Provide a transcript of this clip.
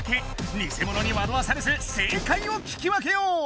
ニセモノにまどわされず正解を聞き分けよう！